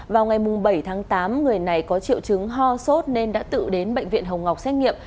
vào ngày bảy tháng tám người này có triệu chứng ho sốt nên đã tự đến bệnh viện hồng ngọc xét nghiệm